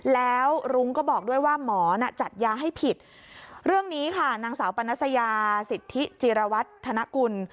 แล้วรุ้งก็บอกด้วยว่าหมอน่ะจัดยาให้ผิดเรื่องนี้ค่ะนางสาวปนัสยาสิทธิจิรวัตรธนกุล